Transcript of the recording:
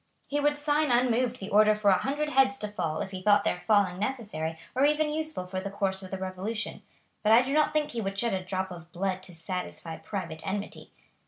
"He would sign unmoved the order for a hundred heads to fall if he thought their falling necessary or even useful for the course of the Revolution, but I do not think he would shed a drop of blood to satisfy private enmity.